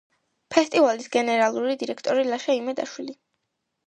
ფესტივალის გენერალური დირექტორი ლაშა იმედაშვილი.